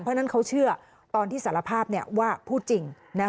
เพราะฉะนั้นเขาเชื่อตอนที่สารภาพว่าพูดจริง